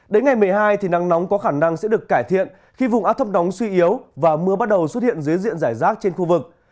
đến ngày một mươi hai thì nắng nóng có khả năng sẽ được cải thiện khi vùng áp thấp nóng suy yếu và mưa bắt đầu xuất hiện dưới diện giải rác trên khu vực